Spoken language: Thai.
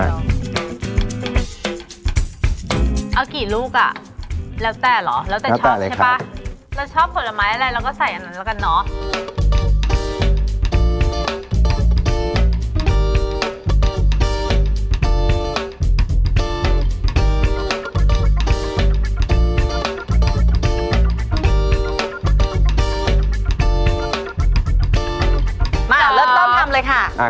เอากี่ลูกอ่ะแล้วแต่เหรอแล้วแต่ชอบใช่ป่ะ